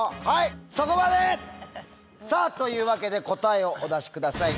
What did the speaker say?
そこまで！というわけで答えをお出しください。